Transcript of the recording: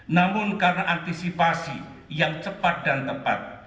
namun karena antisipasi yang cepat dan tepat